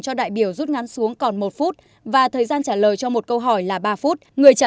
cho đại biểu rút ngắn xuống còn một phút và thời gian trả lời cho một câu hỏi là ba phút người trả